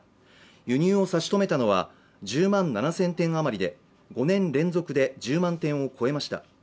輸入を差し止めたのは１０万７０００点余りで５年連続で１０万点を超えました。